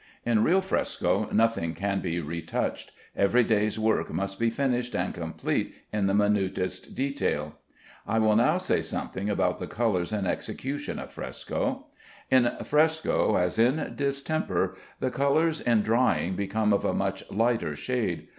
In real fresco nothing can be retouched. Every day's work must be finished and complete in the minutest detail. I will now say something about the colors and execution of fresco. In fresco (as in distemper) the colors in drying become of a much lighter shade.